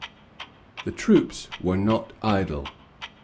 The troops were not idle.